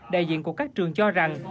đại diện của các trường cho rằng